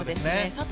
佐藤